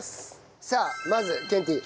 さあまずケンティー。